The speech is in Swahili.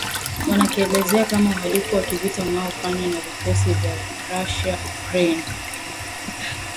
wanakielezea kama uhalifu wa kivita unaofanywa na vikosi vya Russia nchini Ukraine